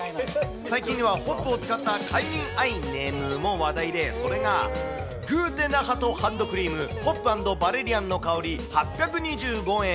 最近ではホップを使った快眠アイねむも話題で、それが、グーテナハトハンドクリーム、ホップ＆バレリアンの香り８２５円。